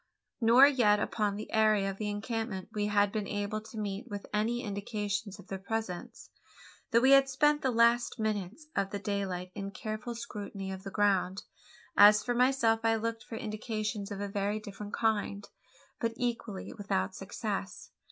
Nor yet upon the area of the encampment had we been able to meet with any indications of their presence: though we had spent the last minutes of daylight in a careful scrutiny of the ground. As for myself I looked for indications of a very different kind; but equally without success.